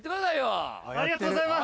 ありがとうございます。